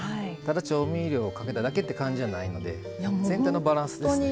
ただ調味料をかけただけって感じじゃないので全体のバランスですね。